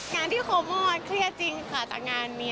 งานที่โคมอนเครียดจริงค่ะจากงานมี